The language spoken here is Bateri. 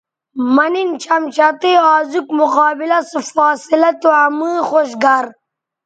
مہ نِن شمشتئ آزوک مقابلہ سو فاصلہ تو امئ خوش گر